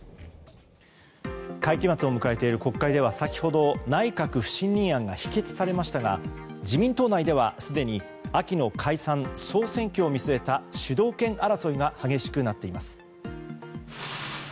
会期末を迎えている国会では先ほど、内閣不信任案が否決されましたが自民党内では、すでに秋の解散・総選挙を見据えた主導権争いが激しくなっています。